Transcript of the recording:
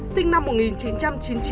sinh năm một nghìn chín trăm chín mươi chín